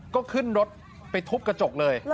ก็ขึ้นรถไปทุบกระจกเลย